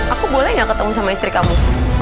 aku boleh gak ketemu sama istri kamu